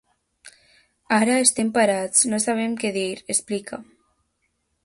Ara estem parats, no sabem què dir, explica.